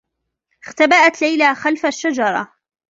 اختبأت ليلى خلف الشّجرة.